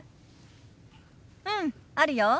うんあるよ。